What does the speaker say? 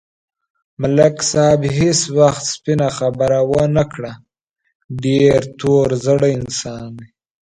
ملک صاحب هېڅ وخت سپینه خبره و نه کړه، ډېر تور زړی انسان دی.